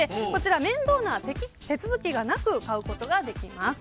面倒な手続きなく買うことができます。